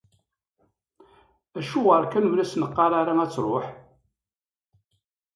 Acuɣer kan ur as-neqqar ara ad tṛuḥ?